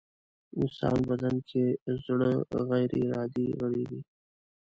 انسان بدن کې زړه غيري ارادې غړی دی.